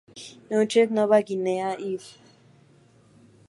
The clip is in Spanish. Utrecht; Nova Guinea; Fl.